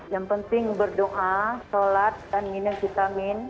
yang penting berdoa sholat dan ngine vitamin